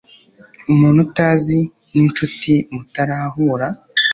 Umuntu utazi ninshuti mutarahura.